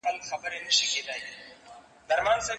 خان او زامن یې تري تم سول د سرکار په کور کي